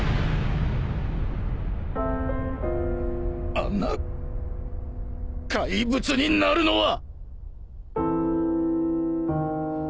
あんな怪物になるのは！